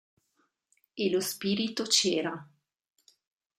E lo spirito c'era.